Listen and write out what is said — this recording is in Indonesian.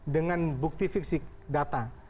dengan bukti fiksi data